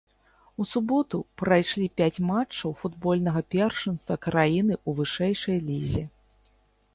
У суботу прайшлі пяць матчаў футбольнага першынства краіны ў вышэйшай лізе.